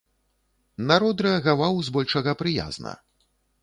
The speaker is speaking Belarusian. Народ рэагаваў збольшага прыязна.